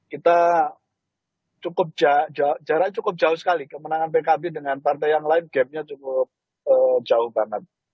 kita jarak jauh sekali kemenangan pkb dengan partai yang lain gapnya cukup jauh banget